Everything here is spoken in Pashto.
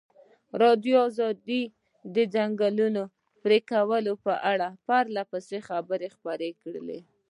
ازادي راډیو د د ځنګلونو پرېکول په اړه پرله پسې خبرونه خپاره کړي.